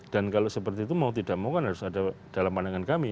dan kalau seperti itu mau tidak mau kan harus ada dalam pandangan kami